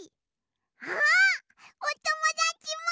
あっおともだちも！